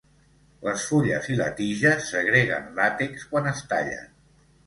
Les fulles i la tija segreguen làtex quan es tallen.